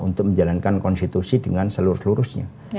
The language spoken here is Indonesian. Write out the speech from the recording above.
untuk menjalankan konstitusi dengan seluruhnya